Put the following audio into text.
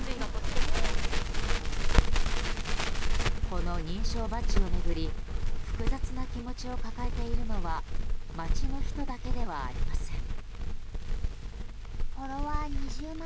この認証バッジを巡り複雑な気持ちを抱えているのは街の人だけではありません。